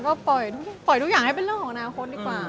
ก็ปล่อยทุกอย่างให้เป็นเรื่องของอนาคตดีกว่า